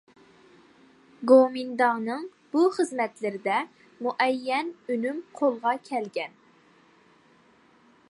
گومىنداڭنىڭ بۇ خىزمەتلىرىدە مۇئەييەن ئۈنۈم قولغا كەلدى.